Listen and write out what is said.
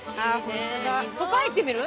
ここ入ってみる？